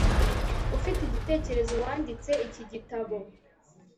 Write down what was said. ufite igitekerezo wanditse iki gitabo